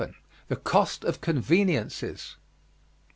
THE COST OF CONVENIENCES.